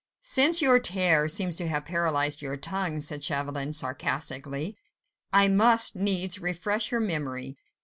"Since your terror seems to have paralyzed your tongue," said Chauvelin, sarcastically, "I must needs refresh your memory.